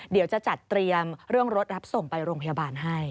เดี๋ยวจะจัดเตรียมเรื่องรถรับส่งไปโรงพยาบาลให้